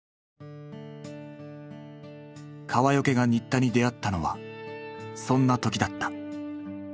川除が新田に出会ったのはそんな時だった。